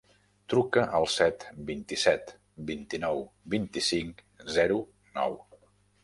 Truca al set, vint-i-set, vint-i-nou, vint-i-cinc, zero, nou.